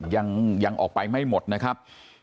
ยังออกไปไม่หมดนะครับ